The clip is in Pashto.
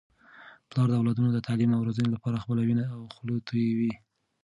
پلار د اولادونو د تعلیم او روزنې لپاره خپله وینه او خوله تویوي.